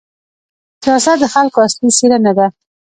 سیاست د خلکو اصلي څېره نه ده.